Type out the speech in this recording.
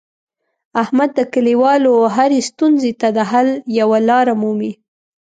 احمد د کلیوالو هرې ستونزې ته د حل یوه لاره مومي.